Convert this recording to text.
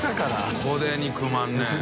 ここで肉まんね。